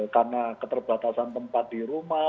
karena keterbatasan tempat di rumah